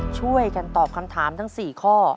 ช่วยกันตอบคำถามทั้ง๔ข้อ